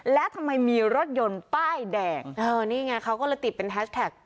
และทำไมมีรถยนต์ป้ายแดงนี่ไงเขาก็เลยติดเป็นแฮชแท็ก